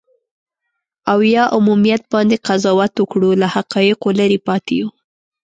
او یا عمومیت باندې قضاوت وکړو، له حقایقو لرې پاتې یو.